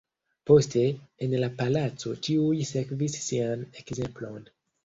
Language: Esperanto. Poste, en la palaco ĉiuj sekvis Sian ekzemplon.